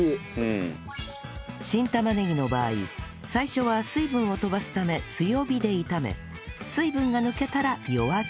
新玉ねぎの場合最初は水分を飛ばすため強火で炒め水分が抜けたら弱火に